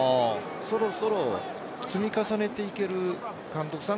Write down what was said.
そろそろ積み重ねていける監督さん